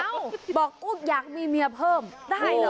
บอกอุ๊บอยากมีเมียเพิ่มได้เหรอ